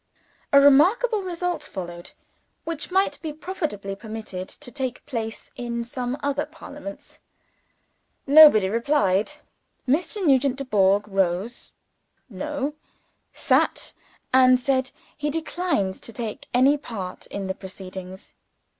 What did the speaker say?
A remarkable result followed, which might be profitably permitted to take place in some other Parliaments. Nobody replied. Mr. Nugent Dubourg rose no! sat and said, he declined to take any part in the proceedings.